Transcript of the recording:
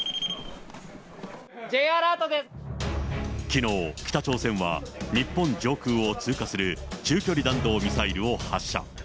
きのう、北朝鮮は、日本上空を通過する中距離弾道ミサイルを発射。